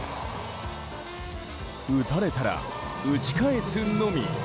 打たれたら打ち返すのみ！